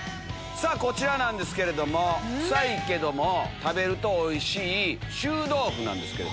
こちらなんですけれども臭いけども食べるとおいしい。